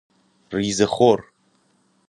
ریزه خور